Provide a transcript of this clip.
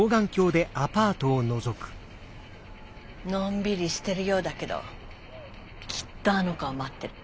のんびりしてるようだけどきっとあの子は待ってる。